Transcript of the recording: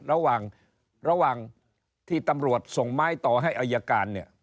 ระหว่างระหว่างที่ตำรวจส่งไม้ต่อให้อายการเนี่ย